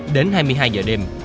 đến hai mươi hai giờ đêm